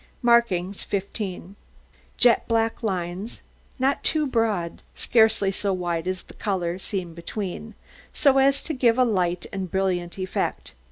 MARKINGS 15 Jet black lines, not too broad, scarcely so wide as the ground colour seen between, so as to give a light and brilliant effect.